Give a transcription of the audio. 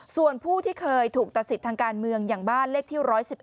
ส่วนผู้ที่เคยถูกตัดสิทธิ์ทางการเมืองอย่างบ้านเลขที่๑๑๑